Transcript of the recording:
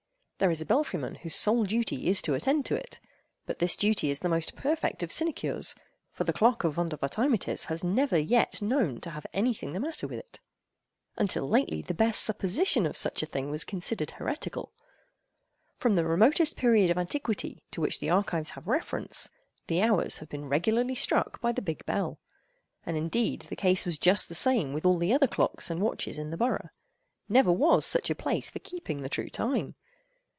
There is a belfry man whose sole duty is to attend to it; but this duty is the most perfect of sinecures—for the clock of Vondervotteimittis was never yet known to have anything the matter with it. Until lately, the bare supposition of such a thing was considered heretical. From the remotest period of antiquity to which the archives have reference, the hours have been regularly struck by the big bell. And, indeed the case was just the same with all the other clocks and watches in the borough. Never was such a place for keeping the true time.